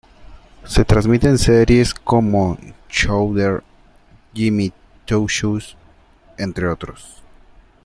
Se transmiten series como "Chowder", "Jimmy Two-Shoes", entre otros.